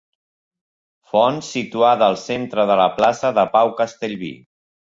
Font situada al centre de la plaça de Pau Castellví.